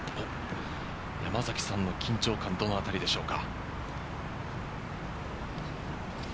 山崎さんの緊張感は、どのあたりでしょうか？